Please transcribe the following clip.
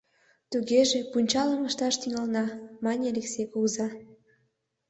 Тугеже пунчалым ышташ тӱҥалына, — мане Элексей кугыза.